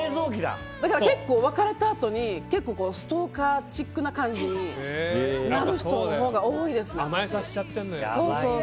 結構、別れたあとにストーカーチックになる人のほうが多いですね。